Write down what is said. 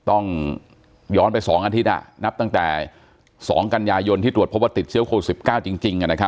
ต้องย้อนไป๒อาทิตย์นับตั้งแต่๒กันยายนที่ตรวจพบว่าติดเชื้อโควิด๑๙จริง